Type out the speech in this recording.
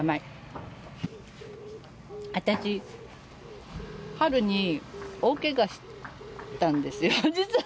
私春に大けがしたんですよ実は。